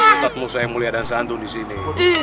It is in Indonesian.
ustadz musa yang mulia dan santun disini